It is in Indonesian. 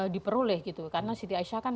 diperoleh gitu karena siti aisyah kan